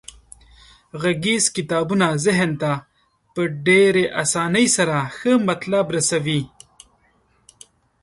غږیز کتابونه ذهن ته په ډیرې اسانۍ سره ښه مطلب رسوي.